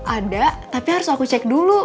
ada tapi harus aku cek dulu